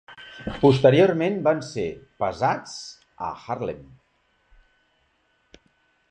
Posteriorment van ser pesats a Harlem.